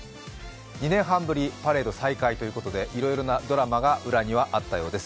２年半ぶりパレード再開ということで、いろいろなドラマが裏にはあったようです。